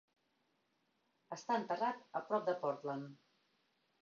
Està enterrat a prop de Portland.